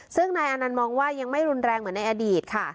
ซึ่งนายอานันต์มองว่ายังไม่รุนแรงเหมือนในอดีตค่ะ